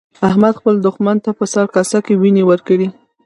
احمد خپل دوښمن ته د سر په کاسه کې وينې ورکړې.